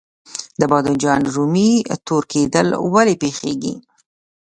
د بانجان رومي تور کیدل ولې پیښیږي؟